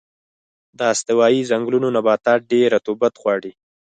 د استوایي ځنګلونو نباتات ډېر رطوبت غواړي.